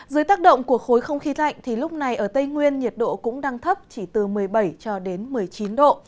dưới tác động của khối không khí lạnh lúc này ở tây nguyên nhiệt độ cũng đang thấp chỉ từ một mươi bảy một mươi chín độ